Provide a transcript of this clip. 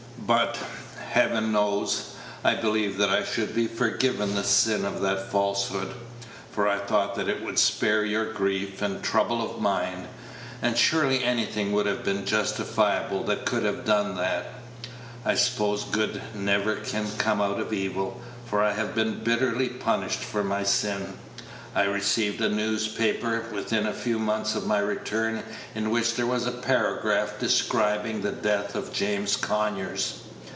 But, Heaven knows, I believed that I should be forgiven the sin of that falsehood, for I thought that it would spare you grief and trouble of mind, and surely anything would have been justifiable that could have done that. I suppose good never can come out of evil, for I have been bitterly punished for my sin. I received a newspaper within a few months of my return in which there was a paragraph describing the death of James Conyers.